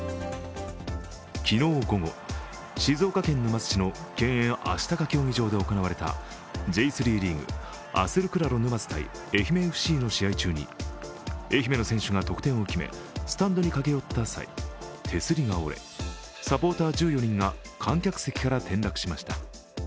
昨日午後、静岡県沼津市の県営愛鷹競技場で行われたＪ３リーグアスルクラロ沼津×愛媛ＦＣの試合中に愛媛の選手が得点を決め、スタンドに駆け寄った際、手すりが折れ、サポーター１４人が観客席から転落しました。